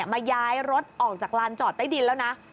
มาย้ายรถออกจากลานจอดใต้ดินแล้วนะ